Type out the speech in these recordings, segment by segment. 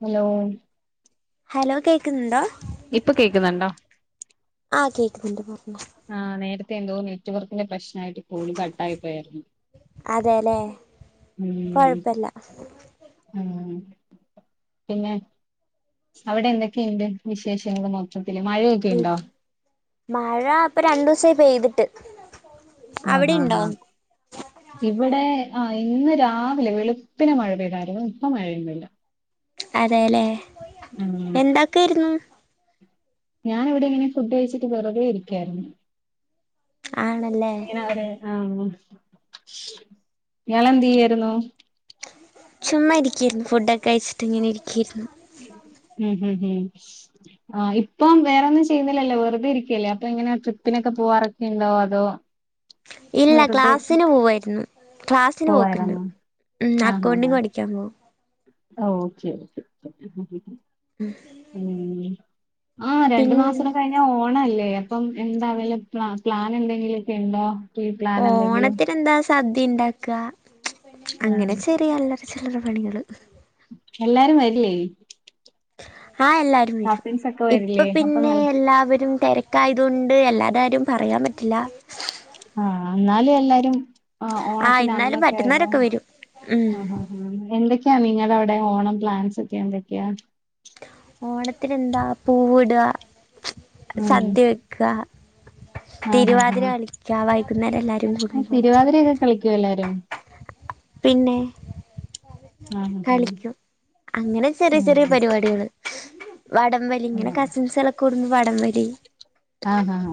Hello hello കേക്ക്ന്ന്ണ്ടോ? ഇപ്പ കേക്ക്ന്ന്ണ്ടോ? ആ കേക്ക്ന്ന്ണ്ട് പറഞ്ഞോ. ആ നേരത്തെ എന്തോ നെറ്റ്വർക്കിന്റെ പ്രശ്നായ്ട്ട് കോള് കട്ടായി പോയായ്രുന്നു. അതേ ല്ലേ കൊഴപ്പല്ല. ആഹ് പിന്നെ അവിടെ എന്തൊക്കെണ്ട് വിശേഷങ്ങള് മൊത്തം ഉം മഴ പ്പൊ രണ്ടൂസായി പെയ്തി ട്ട് ആഹാഹാ ഇവിടെ ആഹ് ഇന്ന് രാവിലെ വെളുപ്പിന് മഴ പെയ്തായ്രുന്നു ഇപ്പ മഴയൊന്നുല്ല. അതെ ല്ലേ. എന്താക്കെര്ന്നു? ഞാനവിടിങ്ങനെ ഫുഡ് കഴിച്ചിട്ട് വെറ്തെ ഇരിക്കായ്രുന്നു. ആണല്ലേ എങ്ങനെവരെ ആഹ് ങ്ങളന്തെയ്യായിരുന്നു ചുമ്മാ ഇരിക്കായിരുന്നു ഫുഡൊക്കെ കയ്ച്ച്ട്ട് ഇങ്ങനെ ഇരിക്കായിര്ന്നു ഉം ഹ് ഹ് ആ ഇപ്പം വേറൊന്നും ചെയ്യുന്നില്ലല്ലോ വെറുതെ ഇരിക്കല്ലേ അപ്പൊ ഇങ്ങനെ ട്രിപ്പിനൊക്കെ പോവാറൊക്കെ ണ്ടോ അതോ ഇല്ല വെറുതെ ക്ലാസ്സിന് പോവ്വാര്ന്ന്- ക്ലാസ്സിന് പോക്ക്ണ്ട് പോവായിരുന്നോ മ് അക്കൗണ്ടിങ് പഠിക്കാം പോകും- ആ ഓക്കേ [inaudible] [inaudible] ആഹ് പിൻ രണ്ട് മാസോടെ കഴിഞ്ഞാ ഓണാല്ലേ? പ്പം എന്താ വല്ല പ്ലാ പ്ലാനെന്തെങ്കിലൊക്കെ ണ്ടോ? കീ പ്ലാനെന്തെങ്കിലും ഓണത്തിനെന്താ സദ്യ ണ്ടാക്കാ ആഹ് അങ്ങനെ ചെറിയ അല്ലറ ചില്ലറ പണികൾ. എല്ലാരും വരില്ലേ? ആഹ് എല്ലാരും വരും. കസിൻസ് ഒക്കെ ഇപ്പൊ വരില്ലേ അപ്പൊ പിന്നേ നല്ല എല്ലാവരും തെരക്കായതു ണ്ട് എല്ലാര്ടെ കാര്യോം പറയാൻ പറ്റില്ല. ആഹ് എന്നാലും എല്ലാരും ആഹ് ഓണത്തിന്റെ എന്നാലും അന്നൊക്കെ ലെ പറ്റുന്നവരൊക്കെ വരും ഉം ആഹാഹാ. എന്തൊക്കെയാ നിങ്ങടെ അവിടെ? ഓണം പ്ലാൻസ് ഒക്കെ എന്തൊക്ക്യാ? ഓണത്തിന് എന്താ പൂവ്ടാ. ഉം സദ്യ വെക്കാ. ആഹ് തിരുവാതിര ആഹ് കളിക്കാ വൈ കുന്നേരല്ലാ തിരുവാതിരയൊക്കെ കളി ക്ക്യോ എല്ലാരും? പിന്നേ. ആഹ് ആഹ് കളിക്കും. അങ്ങനെ ചെറിയ ചെറിയ പരിപാടികൾ അതെ കൂടുമ്പോ വടംവലി ആഹ് ഹ ഹ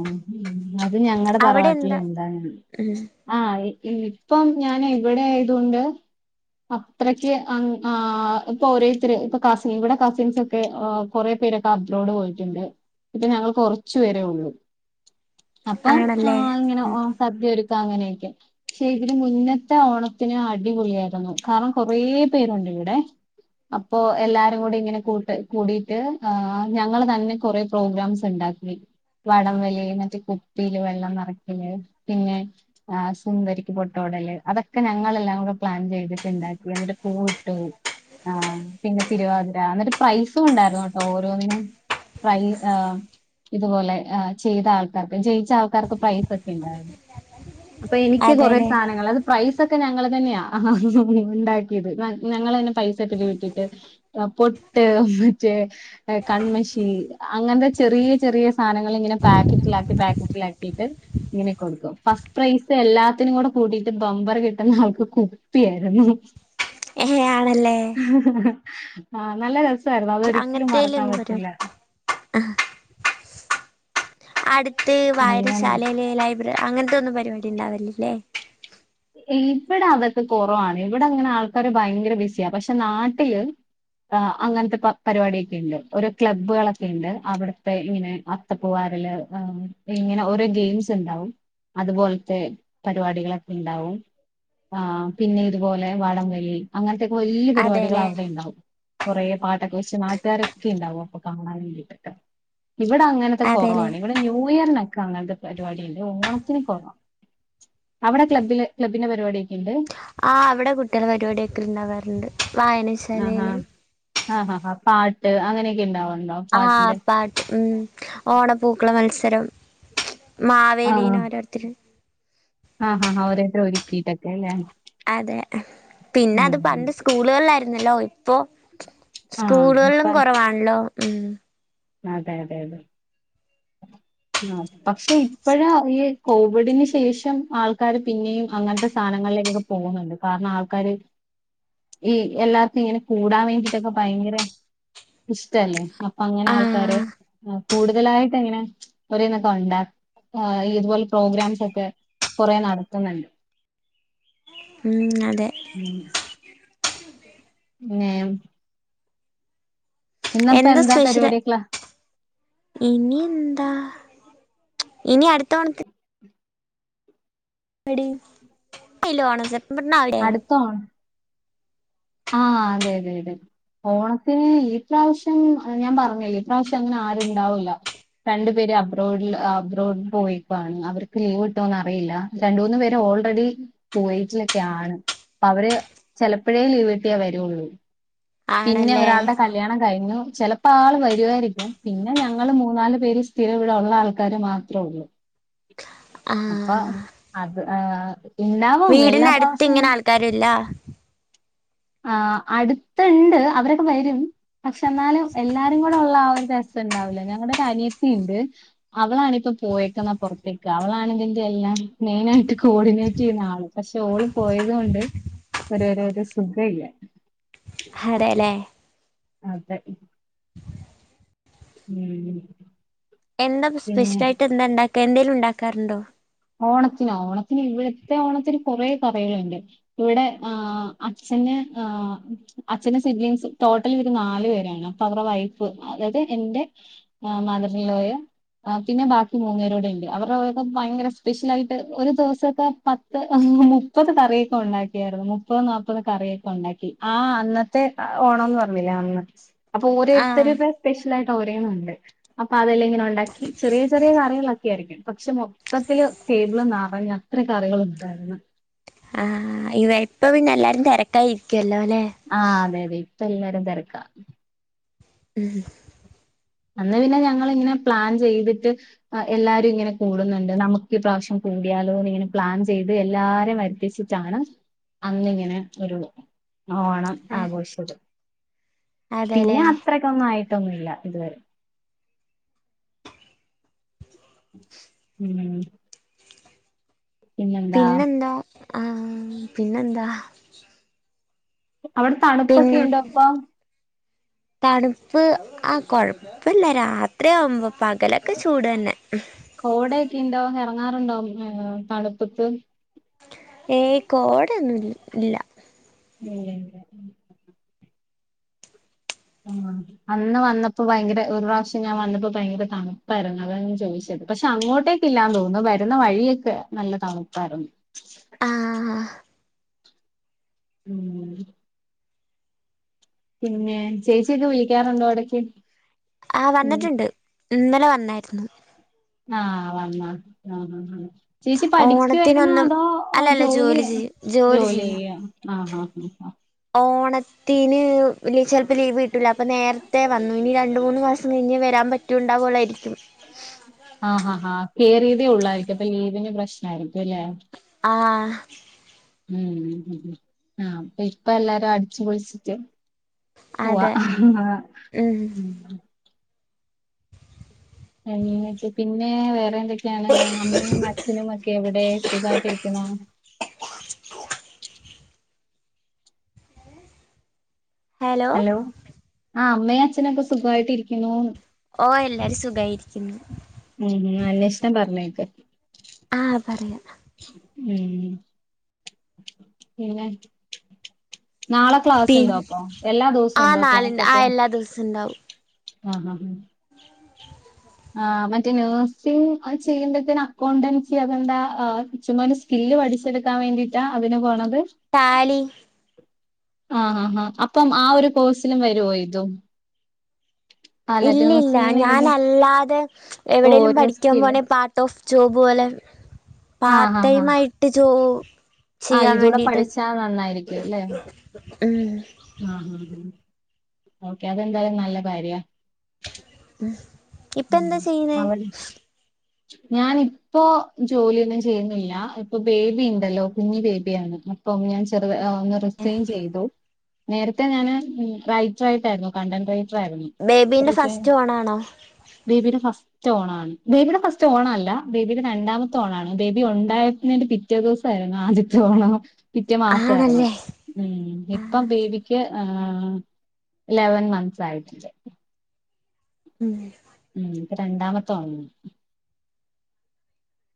അത് ഞങ്ങടെ അവിടെ തറവാട്ടിൽ എന്താ ണ്ടാർന്നു ഉം ആഹ് ഇപ്പം ഞാൻ ഇവിടെ ആയതോണ്ട് അത്രക്ക് അ ആഹ് ഇപ്പോരേത്തര് ഇപ്പോ കസി ഇവിടെ കസിൻസൊക്കെ കൊറേ പേര് അബ്രോട് പോയിട്ട്ണ്ട് ഇപ്പൊ ഞങ്ങൾ കൊറച്ചുപേരെ ഉള്ളൂ അപ്പം ആണല്ലേ ആഹ് ഇങ്ങനെ ഉം ചർദി വരും ഇപ്പങ്ങനെയൊക്കെയാ ക്ഷേ ഇവർ മുന്നത്തെ ഓണത്തിന് അടിപൊളി ആയിരുന്നു കാരണം കൊറേപേരുണ്ടിവിടെ അപ്പൊ എല്ലാരും കൂടെ ഇങ്ങനെ കൂട്ട് കൂടിട്ട് ആഹ് ഞങ്ങൾ തന്നെ കൊറേ പ്രോഗ്രാംസ് ണ്ടാക്കി വടംവലി മറ്റേ കുപ്പീൽ വെള്ളം നെറക്കൽ പിന്നെ സുന്ദരിക്ക് പൊട്ട് തൊടൽ അതൊക്കെ ഞങ്ങൾ എല്ലാം കൂടെ പ്ലാൻ ചെയ്ത്റ്റ് ണ്ടാക്കി എന്ന്ട്ട് പൂവിട്ടു ആഹ് പിന്നെ തിരുവാതിര എന്നിട്ട് പ്രൈസും ണ്ടാർന്നു ഓരോന്നിനും പ്രൈ ഏഹ് ഇത്പോലെ ഏഹ് ചെയ്ത ആൾക്കാർക്ക് ജയിച്ച ആൾക്കാർക്ക് പ്രൈസൊക്കെ ഇണ്ടാർന്നു അപ്പൊ എനിക്ക് കൊറേ അതെല്ലേ സാധനങ്ങൾ അത് പ്രൈ സൊക്കെ ഞങ്ങൾ തന്നെയാ ആഹ് ഹ് ഹ് ണ്ടാക്കിയത് ഞങ്ങൾ തന്നെ പൈസ ഇട്ട്ട്ട് പൊട്ട് ഹ് മറ്റേ കണ്മഷി അങ്ങൻത്തെ ചെറിയ ചെറിയ സാധനങ്ങൾ ങ്ങനെ പാക്കറ്റിലാക്കി പാക്കറ്റിലാക്കിട്ട്ഇങ്ങനെ കൊടുക്കും ഫസ്റ്റ് പ്രൈസ് എല്ലാത്തിനും കൂടെ കൂട്ടിട്ട് ബംബർ കിട്ട്ന്ന ആൾക്ക് കുപ്പി ആയിരുന്നു ഏഹ് ആണല്ലേ [inaudible] ആ നല്ലരസ് സായിരുന്നു അതൊരി [unintelligible] ആ അട് ത്ത് അങ്ങനെ വായശാലയില് ലൈബ്രറി അങ്ങനത്തെന്നും പറ്റ് പരിപാടി ഉണ്ടാവൽ ലേ ഇവിടെ അതൊക്കെ കുറവാണ് ഇവിടെ അങ്ങനെ ആൾക്കാര് ഭയങ്കര ബിസിയാണ് പക്ഷെ നാട്ടില് അങ്ങൻത്തെ പരിപാടിക്കെ ഇണ്ട് ഓർ ക്ലബ്ബുകളൊക്കെ ഇണ്ട് അവിട്ത്തെ ഇങ്ങനെ അത്തപ്പുവാറില് ഇങ്ങനെ ഓരോ ഗെയിംസ് ഇണ്ടാവും അതുപോൽത്തെ പരിപാടികളൊ ഇണ്ടാവും ആ പിന്നെ ഇതുപോലെ വടംവലി അങ്ങൻ വല്ല്യ പരിപാടികൾ അതെല്ലേ അവിടെ ഇണ്ടാവും കൊറേ പാട്ടൊക്കെ വെച്ച് നാട്ടാരൊക്കെ ഇണ്ടാവും അപ്പൊ കാണാൻ വേണ്ടിട്ട് ഇവിടെ അങ്ങനത്തെ അതെല്ലേ കൊറവാണ് ഇവിടെ ന്യൂ ഇയറിനൊ അങ്ങനത്തെ പരിപാടില്ല ഓണത്തിന് കൊർ അവിടെ ക്ലബില് ക്ലബിന്റെ പരിപാടി ആ ഇവിടെ കുട്ട്യാളെ പരിപാടിയൊക്കെ ഇണ്ടാവാറുണ്ട് വായനാശാലയില് ആ ആ ആ പാട്ട് അങ്ങനെയൊക്കെ ഇണ്ടാവോ ആ പാട്ട് ഉം ഓണപ്പൂക്കള മത്സ ത്തരം മാവേലീനേരോരുത്തർ ആ ആ ആ ഓരോരുത്തർ ഒർക്കീ ട്ടൊക്ക ലേ അതെ പിന്നെ അത് ഉം പണ്ട് സ്കൂളുകളിലായിരു ന്നലൊയി ഇപ്പൊ ആഹ് ഇപ്പ സ്കൂളുകള്ലും കുറവാണല്ലോ ഉം അതെ അതെ തെ ആ പക്ഷെ ഇപ്പഴ ഈ കോവിഡിന് ശേഷം ആൾക്കാര് പിന്നെയും അങ്ങനത്തെ സാധനങ്ങളിലേക്കൊക്കെ പോകുന്നുണ്ട് കാരണം ആൾക്കാര് ഈ എല്ലാർക്കും ഇങ്ങനെ കൂടാൻ വേണ്ടീട്ടൊക്കെ ഭയങ്കര ഇഷ്ടല്ലേ അപ്പൊ അങ്ങനെ ആ ആൾ ആരെ ഉം കൂടുതലായിട്ട് എങ്ങന കുടുതലായിട്ടങ്ങനെ ഇതുപോലെ പ്രോഗ്രാംസൊക്കെ കൊറെ നടത്ത് ന്ന്ണ്ട് ഉം അ ഉം പിന്നേം എന്താ സ്പെഷ്യല് പരിപാടിയൊക്കെ ഇനി ന്താ ഇനി അടുത്തവണത്തെ [unintelligible] അടുത്താണോ ആ അതെ അതെ അതെ ഓണത്തിന് ഇപ്രാവശ്യം ഞാൻ പറഞ്ഞില്ലെ ഈ പ്രാവശ്യം അങ്ങനെ ആരുണ്ടാവില്ല രണ്ടു പേര് അബ്രോഡിൽ അബ്രോഡിൽ പോയിർക്കാണ് അവർക്ക് ലീവ് കിട്ടോന്ന് അറിയില്ല രണ്ട് മൂന്ന് പേര് ഓൾറെഡി ഖുവൈത്തിലൊക്കെ ആണ് അവര് ചെലപ്പഴേ ലീവ് കിട്ടിയാ വരുള്ളൂ പിന്നെ ആണല്ലേ ഒരാളുടെ കല്യാണം കഴിഞ്ഞു ചെലപ്പോ ആള് വരുവായിരിക്കും പിന്നെ ഞങ്ങള് മൂന്നാല് പേര് സ്ഥിര ഇവടെള്ള ആൾക്കാര് മാത്രേ ഒള്ളൂ അപ്പ അത് ആ വീടിനടുത്ത്ങ്ങനെ ആൾക്കാര്ല്ല ആ അടുത്ത്ണ്ട് അവരൊക്കെ വരും പക്ഷെ എന്നാലും എല്ലാരും കൂടെ ഉള്ള ആ ഒരു രസം ഉണ്ടാവില്ല ഞങ്ങളുടെ ഒരു അനിയത്തി ഉണ്ട് അവളാണിപ്പൊ പോയേക്ക എന്നാ പുറത്തേക്ക് അവളാണ് ഇതിന്റെ എല്ലാം മെയിനായിട്ട് കോർഡിനേറ്റ് ചെയ്യുന്ന ആള് പക്ഷെ ഓളും പോയത് കൊണ്ട് ഒരോരോരു സുഖ ഇല്ല അതെ ല്ലേ അതെ ഉം എന്താ പിന്നെ സ്പെഷ്യൽ ആയിട്ട് എന്താ ഉണ്ടാ എന്തേലും ഉണ്ടാക്കാർണ്ടോ പ്പെ ഓണത്തിനോ ഓണത്തിന് ഇവിടുത്തെ ഓണത്തിന് കുറേ കറികളുണ്ട് ഇവിടെ ആ അച്ഛന് ആ അച്ഛൻ സിഡലിങ്സ് ടോട്ടൽ ഒരു നാല് പേരാണ് അപ്പൊ അവരുടെ വൈഫ് അതായത് എന്റെ മദർലോയും പിന്നെ ബാക്കി മൂന്നേരോടെണ്ട് അവരുടെക്കെ ഭയങ്കര സ്പെഷ്യലായിട്ട് ഒരു ദിവസൊക്കെ പത്ത് മു മുപ്പത് കറി ഒക്കെണ്ടാക്കിയായിരുന്നു മുപ്പത് നാൽപ്പത് കറിയൊക്കെണ്ടാക്കി ആ അന്നത്തെ ആ ഓണംന്ന് പറഞ്ഞില്ലേ അന്ന് അപ്പൊ ആഹ് ഓരേരുത്തരെ സ്പെഷ്യൽ ആ [unintelligible] രണ്ട് അപ്പൊ അതെല്ലാം ഇങ്ങനെ ഉണ്ടാക്കി ചെറിയ ചെറിയ കാര്യങ്ങളൊക്കെ ആയിരിക്കും പക്ഷെ മൊത്തത്തില് ടേബിള് നറയെ അത്ര കറികളുണ്ടായിരുന്നു ആ ഇവപ്പൊ പിന്നെ എല്ലാരും തെരക്കായിരി ആ അതെ അതെ എല്ലരും തിരക്കാ ഉം അന്ന് പിന്നെ ഞങ്ങളിങ്ങനെ പ്ലാൻ ചെയ്തിട്ട് എല്ലാരും ഇങ്ങനെ കൂടുന്നുണ്ട് നമുക്ക് ഇ പ്രാവശ്യം കൂടിയാലോന്ന് ഇങ്ങനെ പ്ലാൻ ചെയ്ത് എല്ലാരെയും വരുത്തിച്ചിട്ടാണ് അന്നിങ്ങനെ ഒരു ഓണം ആഘോഷത് പിന്നെ അതെല്ലേ അത്രക്കൊന്നായി ട്ടൊന്നുല്ല ഇതുവരെ ഉം പിന്നെന്താ ആ പിന്നെന്താ അവിടെ പിൻ തണുപ്പൊക്കെ ഉണ്ടോ പ്പൊ തണുപ്പ് ആ കൊഴപ്പല്ല രാത്രി ആവുമ്പോ പകലൊക്കെ ചൂട് തന്നെ കോടയക്കെണ്ടോ ഇറങ്ങാറുണ്ടോ ഏ പാടത്തേക്ക് ഏയ് കോടൊന്നും ഇല്ല [unintelligible] ആ അന്ന് വന്നപ്പോ ഭയങ്കര ഒരു പ്രാവശ്യം ഞാൻ വന്നപ്പോ ഭയങ്കര തണുപ്പായിരുന്നു അതാഞാൻ ചോദിച്ചത് പക്ഷെ അങ്ങോട്ടേക്കല്ലാന്ന് തോന്നുന്നു വരുന്ന വഴിയൊക്കെ നല്ല തണുപ്പായിരുന്നു ആഹ് ഉം പിന്നെ ചേച്ചിഒക്കെ വിളിക്കാറുണ്ടോ എടക്ക് ആ വന്നിട്ടുണ്ട് ഇന്നലെ വന്ന ഉണ്ടായിരുന്നു ആ വന്ന് ആ ചേച്ചി പഠിക്കുവായിരുന്നോ ഓണത്തിനൊന്നും അതോ അല്ലല്ല ജോലി ചെയ്യും ജോലി ചെയ്യും ചെയ്യ ആ ആ തീന് ചിലപ്പോ ലീവ് കിട്ടൂല അപ്പൊ നേരത്തെ വന്നു ഇനി രണ്ട് മൂന്ന് മാസം കഴിഞ്ഞ് വരാൻ പറ്റൂണ്ടാവോള്ളായിരിക്കും ആഹ് ഹ ഹ കേറിയതേ ഉള്ളായിരിക്കും അപ്പൊ ലീവിന് പ്രശ്നയിരിക്കും അല്ലെ ആഹ് ഉം ആഹ് അപ്പ ഇപ്പ എല്ലാരും അടിച്ചുപൊളിച്ചിട്ട് ഉവ്വ അതെ ഉം മ് [unintelligible] പിന്നെ വേറെ എന്തെ [unintelligible] അമ്മയും അച്ഛനും ഒക്കെ എവിടെ സുഖമായിട്ടിരിക്കണോ ഹലോ ആ അമ്മയും അച്ഛനൊക്കെ സുഖായിട്ടിരിക്കുന്നുന്ന് ഓ എല്ലാരും സുഖായിരിക്കുന്നു ഉം ഉം അന്വേഷണം പറഞ്ഞേക്കെ ആഹ് പറയാ ഉം [unintelligible] പിന്നെ നാളെ പി ക്ലാസ്ണ്ടോ അപ്പൊ എല്ലാ ദിവസം ആ ഉണ്ടോ നാലിണ്ട് ആ ക്ലാസൊക്കെ എല്ലാ ദിവസവും ഉണ്ടാവും ആഹ് ഹ ഹ [unintelligible] ആ മറ്റേ നഴ്സിങ് ചെയ്യേണ്ടതിന് അക്കൗണ്ടൻസി അതെന്താ ചുമ്മാ ഒരു സ്കില്ല് പഠിച്ചെടുക്കാൻ വേണ്ടീട്ടാ അതിന് പോേണ താലി ആഹ് ആ ആ അപ്പം ആ ഒരു കോഴ്സിലും വരുവോ ഇതും അല്ല ഇല്ലില്ല നേഴ്സിങ്ങിന് ഏതും ഞാനല്ലാതെ ഓ എവിടെലും ഒരു പഠിക്കാൻ സ്കില്ല് പോണെ പാർട്ട് ഓഫ് ജോബ് പോലെ പാർട്ട് ആഹ് ആഹ് ടൈം ആയിട്ട് ജോ [unintelligible] ആഹ് ഇതൂടെ വേണ്ടിട്ട് പഠിച്ചാ നന്നായിരിക്കും അല്ലെ ഉം ഓക്കെ അതെന്തായാലും നല്ല കാര്യ [unintelligible] ഇപ്പ എന്താ ചെയ്യുന്നേ അവിടെ ഞാനിപ്പോ ജോലിയൊന്നും ചെയ്യുന്നില്ല ഇപ്പൊ ബേബി ണ്ടല്ലോ കുഞ്ഞി ബേബിയാണ് അപ്പം ഞാൻ ചെറു ഓ ന്ന് റിസൈൻ ചെയ്തു നേരത്തെ ഞാൻ റൈറ്ററായിട്ടായിരുന്നു കണ്ടന്റ് റൈറ്റ് ബേബിന്റെ ഫസ്റ്റ് ഓണാണോ ബേബിയുടെ ഫസ്റ്റ് ഓണാണ് ബേബിയുടെ ഫസ്റ്റ് ഓണം അല്ല ബേബിയുടെ രണ്ടാമത്തെ ഓണാണ് ബേബി ഉണ്ടായിരുന്നതിന്റെ പിറ്റേ ദിവസം ആരുന്നു ആദ്യത്തെ ഓണം പിറ്റേ മാസായിരുന്നു ആണല്ലേ ഉം ആഹ് ഇപ്പം ബേബിക്ക് ആ ലെവൻ മന്ത്സ് ആയിട്ടുണ്ട് ഉം ഉം ഇപരണ്ടാമത്തെ ഓ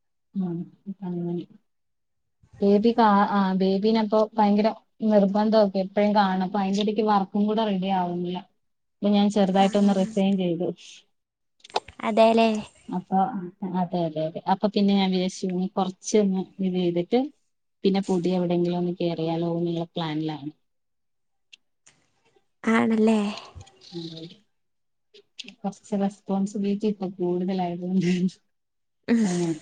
[unintelligible] ബേബികാ ആബേബീപ്പൊ ഭയങ്കരനിർബന്ധംഒക്കെ എപ്പഴും കാണണം അപ്പ അയിന്റടക്ക് വർക്കും കൂടെ റെഡി ആവുന്നില്ല അപ്പൊ ഞാൻ ചെറുതായിട്ടൊന്ന് റിഫൈൻ ചെയ്തു അതേല്ലേ അപ്പൊ അതെഅതെഅതെ അപ്പൊ പിന്നെ ഞാൻ വിചാര്ച് കൊർച്ന്ന് ഇത് ചെയ്തിട്ട് പിന്നെ പുതിയ എവിടെയെങ്കിലും ഒന്ന് കയറിയാലോ എന്നുള്ള പ്ലാനിലാണ് ആണല്ലേ കൊറച്ച് റെസ്പോൺസിബിലിറ്റി ഇപം കൂടുതലായതുകൊണ്ടേ അങ്ങനെ.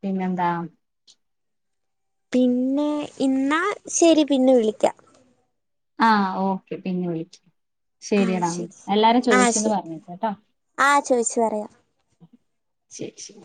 പിന്നെന്താ. പിന്നെ. ഇന്നാ ശരി പിന്നെ വിളിക്കാം. ആഹ് ഓക്കെ പിന്നെ വിളിക്കാ. ശരി എടാ എല്ലാരും ചോദിചീന്ന് പറഞ്ഞേക് ട്ടോ. ചോയിച്ചു പറയാം. ശരി ശരി.